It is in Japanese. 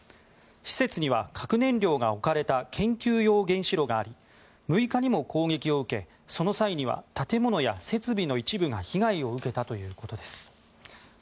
施設には核燃料が置かれた研究用原子炉があり６日にも攻撃を受け、その際には建物や設備の一部が被害を受けたということです。